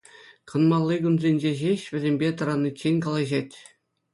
Канмалли кунсенче ҫеҫ вӗсемпе тӑраниччен калаҫать.